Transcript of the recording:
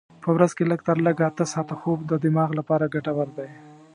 په ورځ کې لږ تر لږه اته ساعته خوب د دماغ لپاره ګټور دی.